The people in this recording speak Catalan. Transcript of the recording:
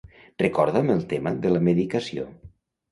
Recorda'm el tema de la medicació.